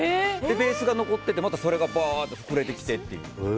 ベースが残っててまた、それが膨れてきてっていう。